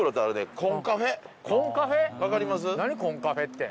コンカフェって。